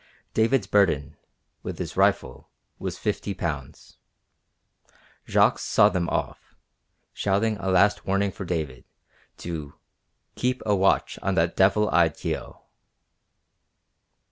David's burden, with his rifle, was fifty pounds. Jacques saw them off, shouting a last warning for David to "keep a watch on that devil eyed Kio."